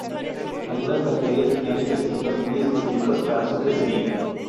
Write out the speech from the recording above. Algunas bacterias tienen requisitos muy específicos para su crecimiento.